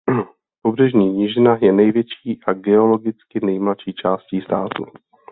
Pobřežní nížina je největší a geologicky nejmladší částí státu.